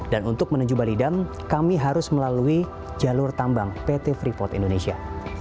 dan untuk menuju balidang kami harus melalui jalur tambang pt freeport indonesia